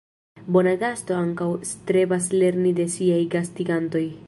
Bona gasto ankaŭ strebas lerni de siaj gastigantoj.